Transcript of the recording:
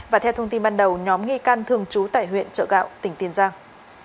và theo thông tin ban đầu nhóm nghi can thường trú tại huyện chợ gạo tỉnh tiền giang